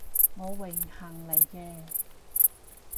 我榮幸嚟嘅